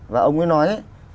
và ông ấy nói